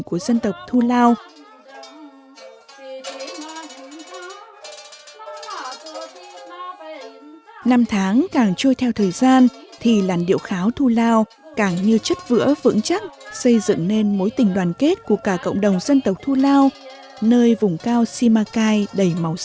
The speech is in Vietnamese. của dân tộc thu lao tiếng hát nghe tài sản chung đó là cái ngôn ngữ riêng của họ